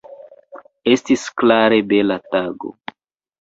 Estis klare bela tago.